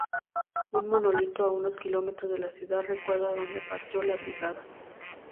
Un monolito a unos kilómetros de la ciudad recuerda de donde partió la Brigada.